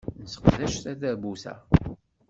Nesseqdec tadabut-a.